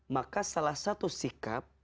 maka salah satu sikap